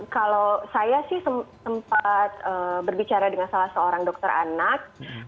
kalau saya sih sempat berbicara dengan salah seorang dokter anak